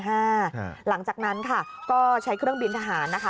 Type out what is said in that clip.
หลังจากนั้นค่ะก็ใช้เครื่องบินทหารนะคะ